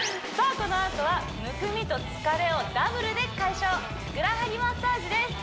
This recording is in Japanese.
このあとはむくみと疲れをダブルで解消ふくらはぎマッサージです